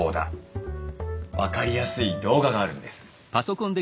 分かりやすい動画があるんです。